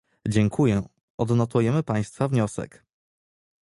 Dziękuję, odnotujemy państwa wniosek